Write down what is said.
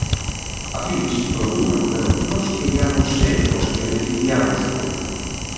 A Philips propúñao, pero nós queriamos ser os que decidiamos todo.